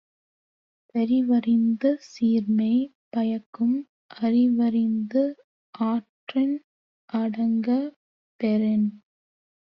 செறிவறிந்து சீர்மை பயக்கும் அறிவறிந்து ஆற்றின் அடங்கப் பெறின்